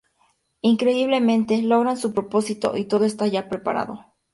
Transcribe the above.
Increíblemente, logran su propósito, y todo está ya preparado.